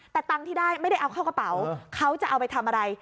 แต่ตังค์ที่ได้ไม่ได้เอาเข้ากระเป๋าเขาจะเอาไปทำอะไร